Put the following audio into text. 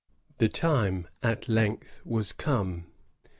The time at length was come.